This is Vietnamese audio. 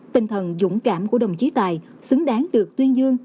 tinh thần dũng cảm của đồng chí tài xứng đáng được tuyên dương